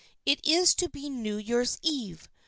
It is to be New Year's Eve.